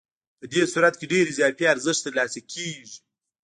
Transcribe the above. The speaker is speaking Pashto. په دې صورت کې ډېر اضافي ارزښت ترلاسه کېږي